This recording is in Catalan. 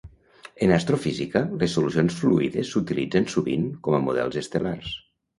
En astrofísica, les solucions fluides s'utilitzen sovint com a models estel·lars.